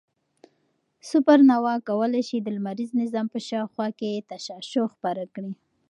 سوپرنووا کولای شي د لمریز نظام په شاوخوا کې تشعشع خپره کړي.